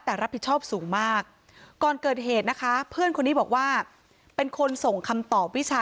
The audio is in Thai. แต่ก็เหมือนกับว่าจะไปดูของเพื่อนแล้วก็ค่อยทำส่งครูลักษณะประมาณนี้นะคะ